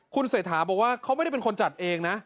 คุณเศรษฐาบอกว่าเขาไม่ได้เป็นคนจัดเองนะ